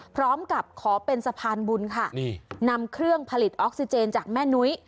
พร้อมกับขอเป็นสะพานบุญค่ะนี่นำเครื่องผลิตออกซิเจนจากแม่นุ้ย